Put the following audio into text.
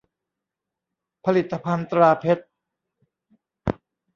ผลิตภัณฑ์ตราเพชร